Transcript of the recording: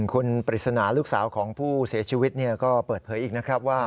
คนปริศนาพี่หนูของผู้เสียชีวิตก็เปิดเผยอีกนะครับ